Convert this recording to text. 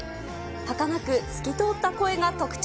はかなく透き通った声が特徴。